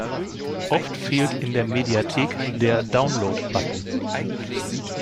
Oft fehlt in der Mediathek der Download-Button.